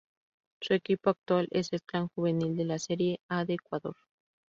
Su equipo actual es el Clan Juvenil de la Serie A de Ecuador.